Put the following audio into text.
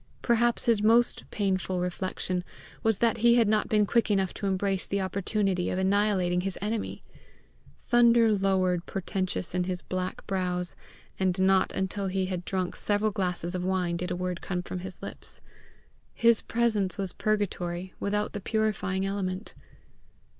Perhaps his most painful reflection was that he had not been quick enough to embrace the opportunity of annihilating his enemy. Thunder lowered portentous in his black brows, and not until he had drunk several glasses of wine did a word come from his lips. His presence was purgatory without the purifying element.